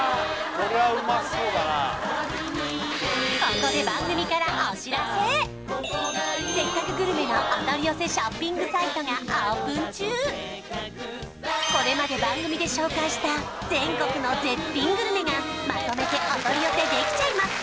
ここで「せっかくグルメ！！」のお取り寄せショッピングサイトがオープン中これまで番組で紹介した全国の絶品グルメがまとめてお取り寄せできちゃいます